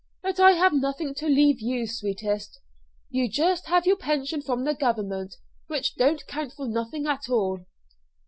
But I have nothing to leave you, sweetest. You just have your pension from the Government, which don't count for nothing at all."